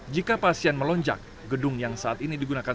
jika pasien melonjak gedung yang saat ini digunakan